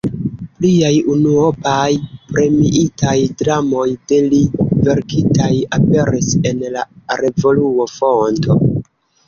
Pliaj unuopaj premiitaj dramoj de li verkitaj aperis en la revuo "Fonto".